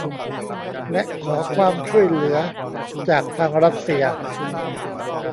และขอความช่วยเหลือจากทางรัสเซีย